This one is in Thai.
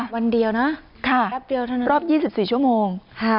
วันเดียวนะครับเดียวรอบ๒๔ชั่วโมง